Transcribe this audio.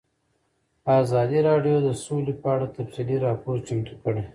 ازادي راډیو د سوله په اړه تفصیلي راپور چمتو کړی.